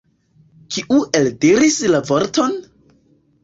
Kiu eldiris la vorton?